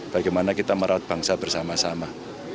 bagaimana kita merawat bangsa bersama sama